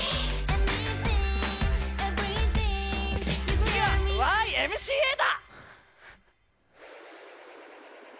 次はＹ．Ｍ．Ｃ．Ａ．だ。